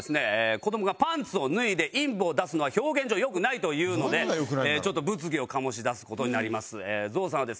子どもがパンツを脱いで陰部を出すのは表現上良くないというのでちょっと物議を醸し出す事になります。